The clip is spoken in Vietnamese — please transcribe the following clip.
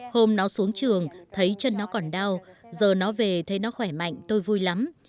hôm nó xuống trường thấy chân nó còn đau giờ nó về thấy nó khỏe mạnh tôi vui lắm